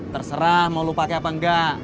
terserah mau lo pake apa enggak